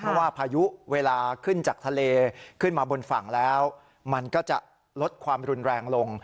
เพราะว่าพายุเวลาขึ้นจากทะเลขึ้นมาบนฝั่งแล้วมันก็จะลดความรุนแรงลง